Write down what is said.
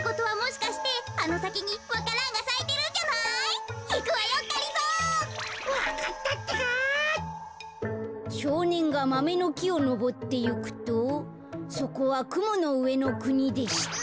「しょうねんがマメのきをのぼっていくとそこはくものうえのくにでした」。